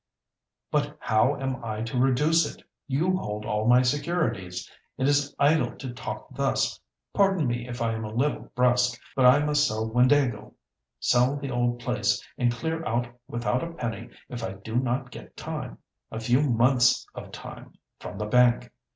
"But how am I to reduce it? You hold all my securities. It is idle to talk thus; pardon me if I am a little brusque, but I must sell Windāhgil—sell the old place, and clear out without a penny if I do not get time—a few months of time—from the bank!